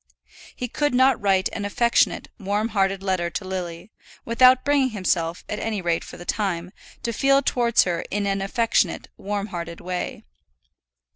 He could not write an affectionate, warm hearted letter to Lily, without bringing himself, at any rate for the time, to feel towards her in an affectionate, warm hearted way.